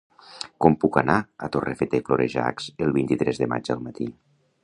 Com puc anar a Torrefeta i Florejacs el vint-i-tres de maig al matí?